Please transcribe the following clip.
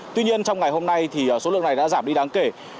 tuy nhiên trong ngày hôm nay thì số lượng này đã giảm đi đáng kể